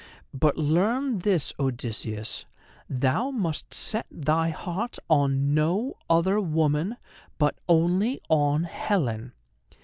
But learn this, Odysseus; thou must set thy heart on no other woman, but only on Helen.